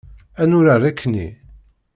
Ad nurar akkenni?